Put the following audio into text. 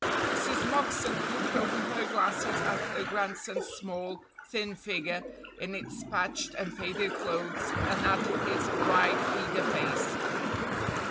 Mrs. Moxon looked over her glasses at her grandson's small, thin figure in its patched and faded clothes, and at his bright, eager face.